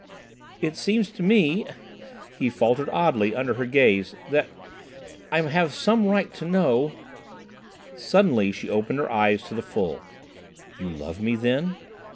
"It seems to me,"—he faltered oddly under her gaze—"that I have some right to know—" Suddenly she opened her eyes to the full. "You love me, then?"